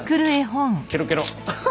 ケロケロ。